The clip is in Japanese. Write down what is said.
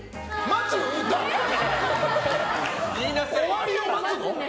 終わりを待つの？